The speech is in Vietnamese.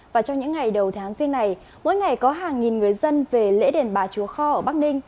và trong những ngày đầu tháng riêng này mỗi ngày có hàng nghìn người dân về lễ đền bà chúa kho ở bắc ninh